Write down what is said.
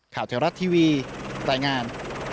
ข่าวเทวรัฐทีวีตายงาน